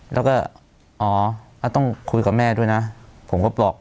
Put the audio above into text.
แล้วก็อ๋อต้องคุยกับแม่ด้วยนะผมก็บอก